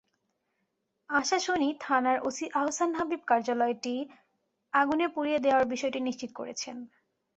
আশাশুনি থানার ওসি আহসান হাবিব কার্যালয়টি আগুনে পুড়িয়ে দেওয়ার বিষয়টি নিশ্চিত করেছেন।